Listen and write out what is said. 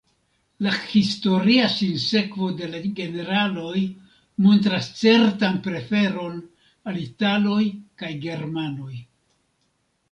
La historia sinsekvo de la generaloj montras certan preferon al italoj kaj germanoj.